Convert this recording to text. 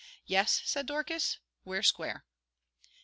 "Yes," said Dorcas, "we're square."